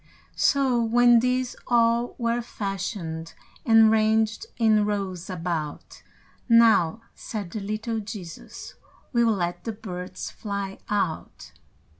So, when these all were fashioned, And ranged in rows about, "Now," said the little Jesus, "We'll let the birds fly out."